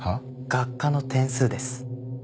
学科の点数です。